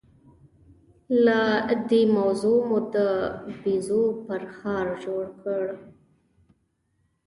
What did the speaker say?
له دې موضوع مو د بيزو پرهار جوړ کړ.